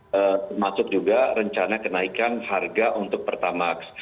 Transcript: termasuk juga rencana kenaikan harga untuk pertamax